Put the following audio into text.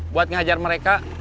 buat ngehajar mereka